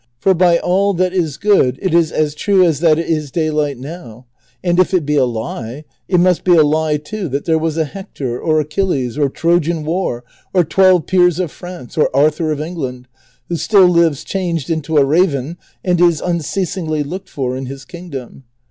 ^ For by all that is good it is as true as that it is daylight now ; and if it be a lie, it must be a lie too that there was a Hector, or Achilles, or Trojan war, or Twelve Peers of France, or Arthur of England, who still lives changed into a raven, and is unceasingly looked for in his kingdom.